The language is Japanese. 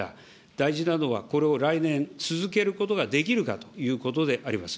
大事なのは、これを来年、続けることができるかということであります。